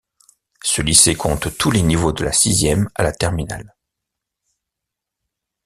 Ce lycée compte tous les niveaux de la sixième à la terminale.